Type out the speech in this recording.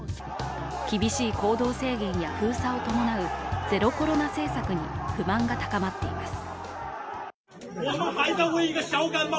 厳しい行動制限や封鎖を伴うゼロコロナ政策に不満が高まっています。